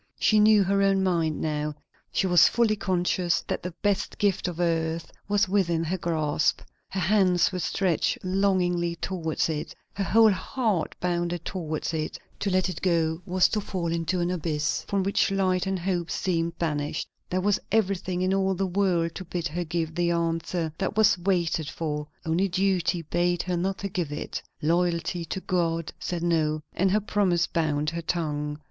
She knew her own mind now; she was fully conscious that the best gift of earth was within her grasp; her hands were stretched longingly towards it, her whole heart bounded towards it; to let it go was to fall into an abyss from which light and hope seemed banished; there was everything in all the world to bid her give the answer that was waited for; only duty bade her not give it. Loyalty to God said no, and her promise bound her tongue.